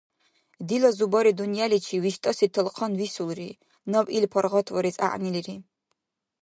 Дила зубари-дунъяличив виштӀаси талхъан висулри, наб ил паргъатварес гӀягӀнилири.